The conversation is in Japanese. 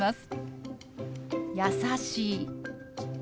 「優しい」。